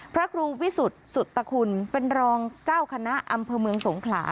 พระครูวิสุทธิ์สุตคุณเป็นรองเจ้าคณะอำเภอเมืองสงขลา